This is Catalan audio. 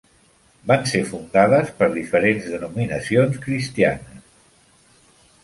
Van ser fundades per diferents denominacions cristianes.